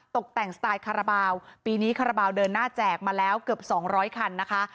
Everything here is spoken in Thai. ตกแต่งสไตล์คาราบาลปีนี้คาราบาลเดินหน้าแจกมาแล้วเกือบ๒๐๐คันนะคะ